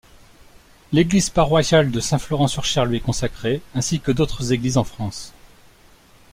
L'église paroissiale de Saint-Florent-sur-Cher lui est consacrée, ainsi que d'autres églises en France.